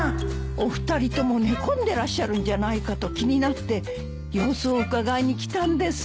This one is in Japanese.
お二人とも寝込んでらっしゃるんじゃないかと気になって様子をうかがいに来たんです。